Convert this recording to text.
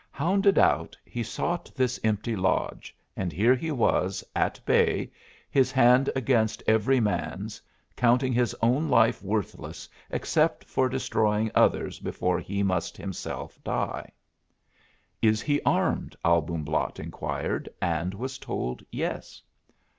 Hounded out, he sought this empty lodge, and here he was, at bay, his hand against every man's, counting his own life worthless except for destroying others before he must himself die. "Is he armed?" Albumblatt inquired, and was told yes.